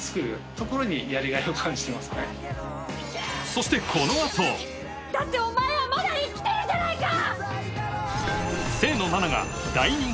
そしてだってお前はまだ生きてるじゃないか！